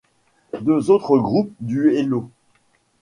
Deux autres groupes du Hello!